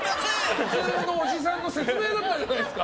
普通のおじさんの説明だったじゃないですか。